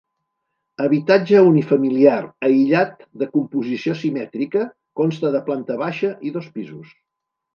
Habitatge unifamiliar aïllat de composició simètrica, consta de planta baixa i dos pisos.